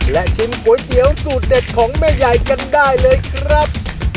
และชิมก๋วยเตี๋ยวสูตรเด็ดของแม่ยายกันได้เลยครับ